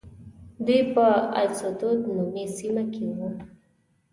دوی په السطوة نومې سیمه کې وو.